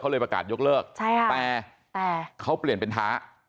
เลยประกาศยกเลิกใช่ค่ะแต่แต่เขาเปลี่ยนเป็นท้า